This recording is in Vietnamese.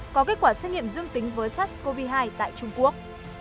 có kết quả xét nghiệm dương tính với sars cov hai tại trung quốc